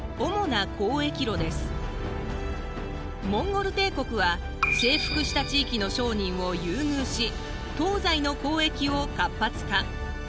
モンゴル帝国は征服した地域の商人を優遇し東西の交易を活発化。